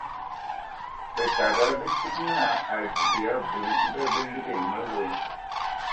Bǝtada bə tsig naa a adzib ya abui. Ndɔ hm bə ligi ai nye we.